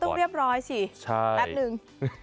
ต้องเรียบร้อยสิแป๊บนึง